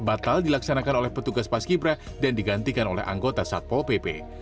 batal dilaksanakan oleh petugas paskibra dan digantikan oleh anggota satpo pp